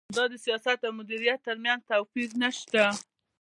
دا د سیاست او مدیریت ترمنځ توپیر نشته.